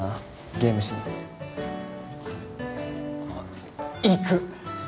ゲームしに行く！